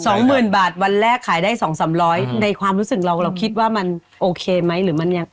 สองหมื่นบาทวันแรกขายได้สองสามร้อยในความรู้สึกเราเราคิดว่ามันโอเคไหมหรือมันยัง